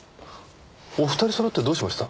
お二人そろってどうしました？